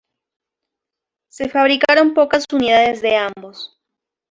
Se fabricaron pocas unidades de ambos.